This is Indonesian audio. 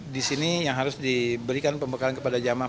disini yang harus diberikan pembekalan kepada jemaah